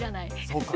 そうか。